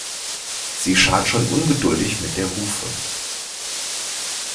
Sie scharrt schon ungeduldig mit der Hufe.